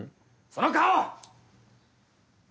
その顔！